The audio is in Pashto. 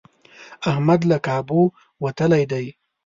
احمد له کابو وتلی دی.